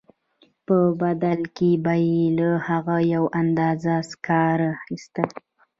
په بدل کې به یې له هغه یوه اندازه سکاره اخیستل